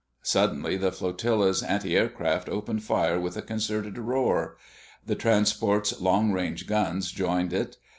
Suddenly the flotilla's antiaircraft opened fire with a concerted roar. The transports' long range guns joined it.